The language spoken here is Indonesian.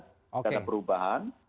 tidak ada perubahan